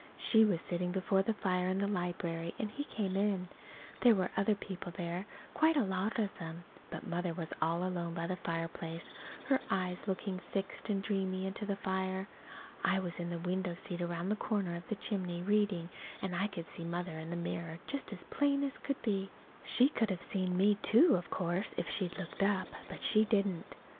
She was sitting before the fire in the library, and he came in. There were other people there, quite a lot of them; but Mother was all alone by the fireplace, her eyes looking fixed and dreamy into the fire. I was in the window seat around the corner of the chimney reading; and I could see Mother in the mirror just as plain as could be. She could have seen me, too, of course, if she'd looked up. But she didn't.